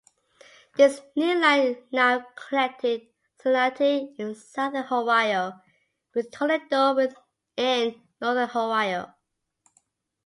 This new line now connected Cincinnati in southern Ohio with Toledo in northern Ohio.